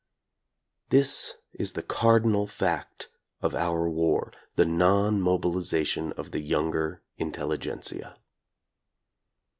This is the cardinal fact of our war — the non mobilization of the younger intelligentsia.